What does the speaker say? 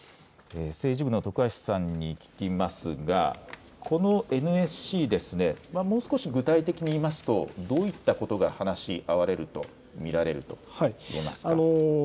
政治部の徳橋さんに聞きますがＮＳＣですね、もう少し具体的に言いますとどういったことが話し合われると見られると言えますか。